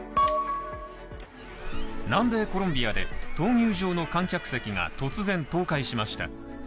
南米コロンビアで、闘牛場の観客席が突然、倒壊しました。